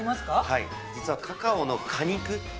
◆はい、実はカカオの果肉。